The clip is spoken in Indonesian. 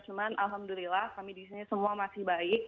cuman alhamdulillah kami di sini semua masih baik